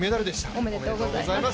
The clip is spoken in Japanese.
おめでとうございます。